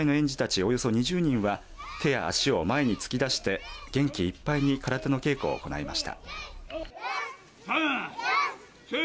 およそ２０人は手や足を前に突き出して元気いっぱいに空手の稽古を行いました。